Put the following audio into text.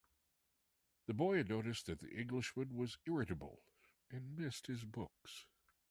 The boy had noticed that the Englishman was irritable, and missed his books.